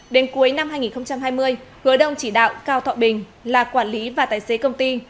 đến cuối năm hai nghìn hai mươi hứa đông chỉ đạo cao thọ bình là quản lý và tài xế công ty